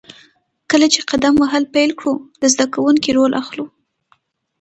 کله چې قدم وهل پیل کړو، د زده کوونکي رول اخلو.